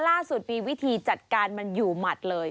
ล่าสุดมีวิธีจัดการมันอยู่หมัดเลย